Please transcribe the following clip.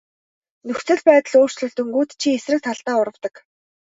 Нөхцөл байдал өөрчлөгдөнгүүт чи эсрэг талдаа урвадаг.